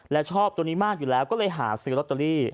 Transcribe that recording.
และชอบตัวนี้มากอยู่แล้วก็เลยหาซื้อลอตเตอรี่